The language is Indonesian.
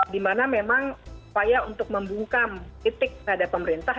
di mana memang supaya untuk membuka kritik terhadap pemerintah